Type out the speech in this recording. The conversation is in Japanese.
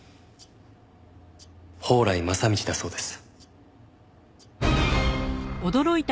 宝来正道だそうです。